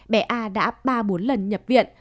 bé a đã ba bốn lần nhập viện